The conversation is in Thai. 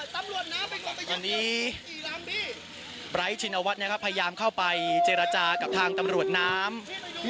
ตำรวจน้ำไร้ชินวัฒน์นะครับพยายามเข้าไปเจรจากับทางตำรวจน้ำ